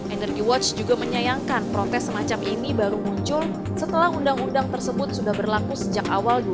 energy watch juga menyayangkan protes semacam ini baru muncul setelah undang undang tersebut sudah berlaku sejak awal dua ribu dua puluh